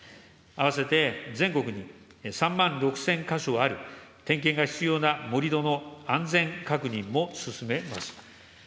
併せて全国に３万６０００か所ある点検が必要な盛り土の安全確認も進めます。